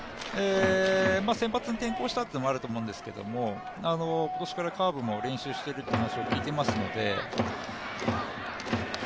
先発に転向したということもあると思うんですけれども今年からカーブも練習しているという話を聞いていますので。